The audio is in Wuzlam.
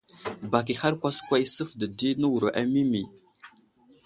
Bak ihar kwaskwa i suvde di newuro a Mimi.